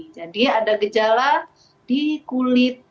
jadi ada gejala di kulit